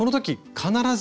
必ず？